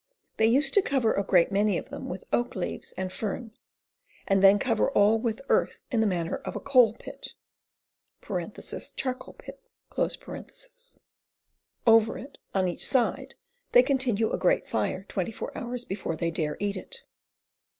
They vse to cover a great many of them with Oke leaues and Feme, and then cover all with earth in the manner of a Cole pit [charcoal pit]; over it, on each side, they continue a great fire 24 houres before they dare eat it.